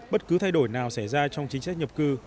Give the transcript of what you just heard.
bất cứ thay đổi nào xảy ra trong chính sách nhập cư